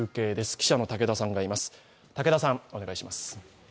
記者の竹田さんがいます。